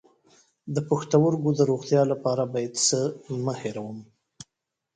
د پښتورګو د روغتیا لپاره باید څه مه هیروم؟